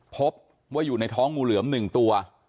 พบว่าอยู่ในท้องงูเหลือม๑ตัว